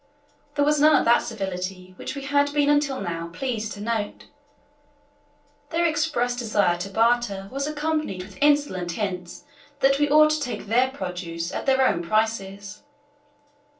There was none of that civility we had been until now pleased to note: their express desire to barter was accompanied with insolent hints that we ought to take their produce at their own prices.